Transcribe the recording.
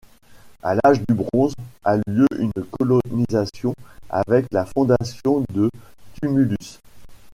À l'âge du bronze a lieu une colonisation avec la fondation de tumulus.